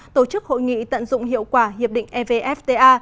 tổ chức hội nghị tận dụng hiệu quả hiệp định evfta